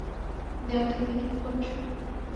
দেয়ালটা কি ঠিক করছো?